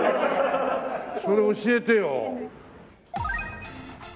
それ教えてよ。